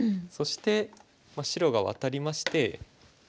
そして白がワタりまして。